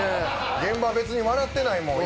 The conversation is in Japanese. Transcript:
現場別に笑ってないもん。